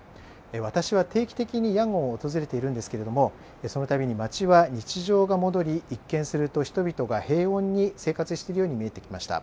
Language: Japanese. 私は定期的にヤンゴンを訪れているんですけれどもそのたびに街は日常が戻り、一見すると人々が平穏に生活しているように見えてきました。